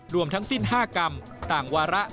รวมทั้งสิ้น๕กรรมต่างวาระ